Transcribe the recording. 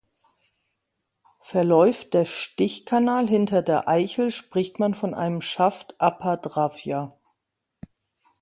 Verläuft der Stichkanal hinter der Eichel spricht man von einem "Schaft-Apadravya".